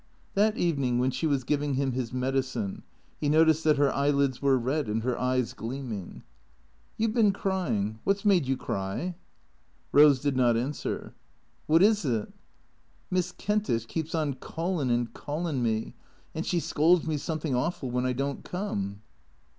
That evening, when she was giving him his medicine, he noticed that her eyelids were red and her eyes gleaming. " You 've been crying. What 's made you cry ?" Eose did not answer. "What is it?" " Miss Kentish keeps on callin' and callin' me. And she scolds me something awful when I don't come."